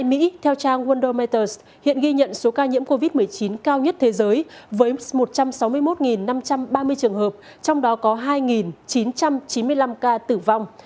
trong mỹ theo trang wondomaters hiện ghi nhận số ca nhiễm covid một mươi chín cao nhất thế giới với một trăm sáu mươi một năm trăm ba mươi trường hợp trong đó có hai chín trăm chín mươi năm ca tử vong